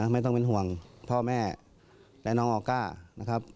ไม่ต้องเป็นห่วงพ่อแม่และน้องออก้านะครับ